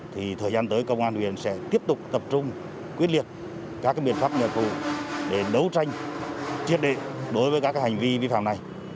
thời gian tới công an huyện sẽ tiếp tục tập trung quyết liệt các biện pháp nhà cụ để đấu tranh triệt định đối với các hành vi vi phạm này